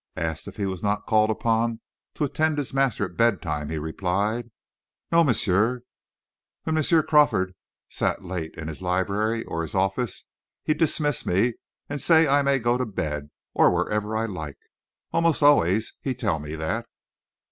Asked if he was not called upon to attend his master at bedtime, he replied, "Non, M'sieu; when Monsieur Crawford sat late in his library, or his office, he dismiss me and say I may go to bed, or whatever I like. Almost alway he tell me that."